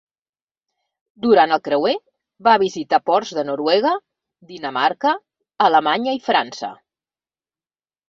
Durant el creuer, va visitar ports de Noruega, Dinamarca, Alemanya i França.